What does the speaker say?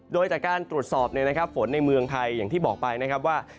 โดยจากการตรวจสอบฝนในเมืองไทยอย่างที่บอกไปนะครับว่า